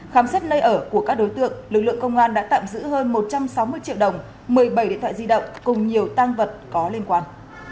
khám xét nơi ở của các đối tượng lực lượng công an đã tạm giữ hơn một trăm sáu mươi triệu đồng một mươi bảy điện thoại di động cùng nhiều tăng vật có liên quan